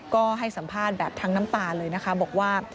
ก็ให้สัมภาษณ์แบบทั้งน้ำตาเลยนะคะบอกว่า